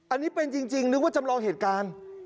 อันนี้เป็นจริงนึกว่าจำลองเหตุการณ์